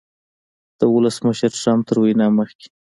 د ولسمشر ټرمپ تر وینا مخکې